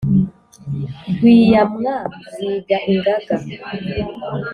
rwiyamwa ziga ingaga